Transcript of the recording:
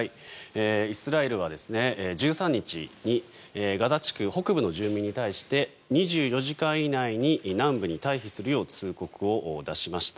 イスラエルは１３日にガザ地区北部の住民に対して２４時間以内に南部に退避するよう通告を出しました。